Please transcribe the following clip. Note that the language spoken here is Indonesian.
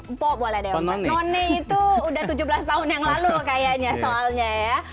mpo boleh deh noni itu udah tujuh belas tahun yang lalu kayaknya soalnya ya